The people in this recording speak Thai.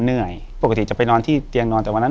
อยู่ที่แม่ศรีวิรัยิลครับ